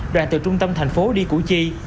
đoạn từ trung tâm thành phố đi củ chi